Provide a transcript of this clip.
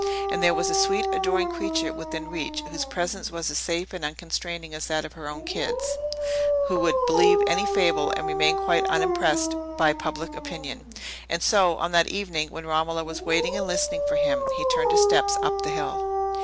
And there was a sweet adoring creature within reach whose presence was as safe and unconstraining as that of her own kids,—who would believe any fable, and remain quite unimpressed by public opinion. And so on that evening, when Romola was waiting and listening for him, he turned his steps up the hill.